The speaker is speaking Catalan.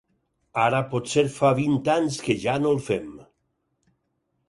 Ara potser fa vint anys que ja no el fem.